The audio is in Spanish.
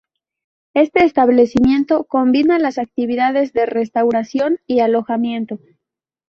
Este establecimiento combinaba las actividades de restauración y alojamiento.